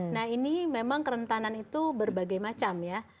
nah ini memang kerentanan itu berbagai macam ya